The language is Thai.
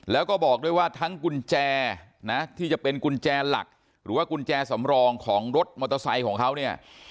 แล้วก็บอกด้วยว่าทั้งกุญแจนะที่จะเป็นกุญแจหลักหรือว่ากุญแจสำรองของรถมอเตอร์ไซค์ของเขาเนี่ย